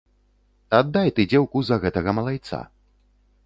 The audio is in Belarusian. Аддай ты дзеўку за гэтага малайца.